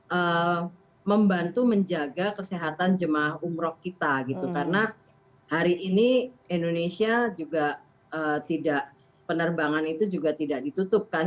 untuk membantu menjaga kesehatan jemaah umroh kita gitu karena hari ini indonesia juga tidak penerbangan itu juga tidak ditutup kan